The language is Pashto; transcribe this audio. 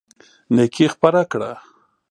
نيکي خپره کړه.